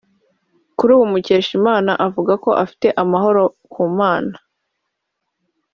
Kuri ubu Mukeshimana avuga ko afite amahoro ku Mana